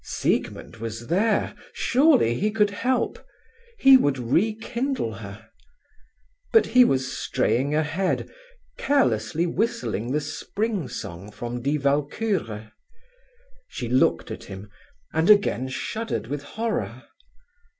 Siegmund was there. Surely he could help? He would rekindle her. But he was straying ahead, carelessly whistling the Spring Song from Die Walküre. She looked at him, and again shuddered with horror.